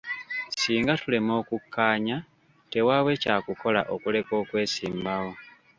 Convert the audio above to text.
Singa tulema okukkaanya, tewaabe kyakukola okuleka okwesimbawo.